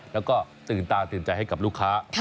แล้วก็ตื่นตาตื่นใจให้กับลูกค้า